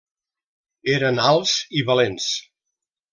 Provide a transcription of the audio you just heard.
Eren alts i valents.